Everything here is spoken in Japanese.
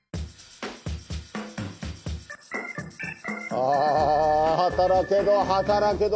あ働けど働けど